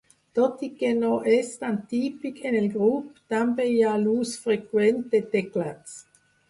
Tot i que no és tan típic en el grup, també hi ha l'ús freqüent de teclats.